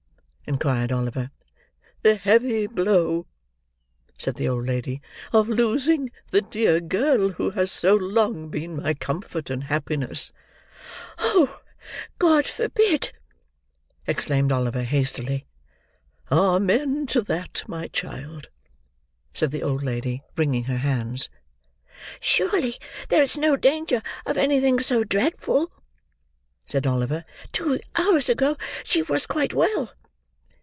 inquired Oliver. "The heavy blow," said the old lady, "of losing the dear girl who has so long been my comfort and happiness." "Oh! God forbid!" exclaimed Oliver, hastily. "Amen to that, my child!" said the old lady, wringing her hands. "Surely there is no danger of anything so dreadful?" said Oliver. "Two hours ago, she was quite well."